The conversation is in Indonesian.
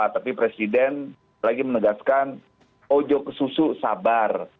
tapi presiden lagi menegaskan ojo ke susu sabar